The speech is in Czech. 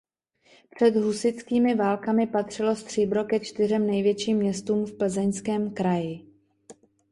Před husitskými válkami patřilo Stříbro ke čtyřem největším městům v Plzeňském kraji.